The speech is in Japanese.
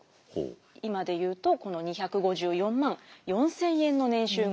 今で言うとこの２５４万４，０００円の年収がありました。